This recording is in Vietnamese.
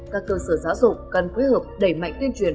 các cơ sở giáo dục cần phối hợp đẩy mạnh tuyên truyền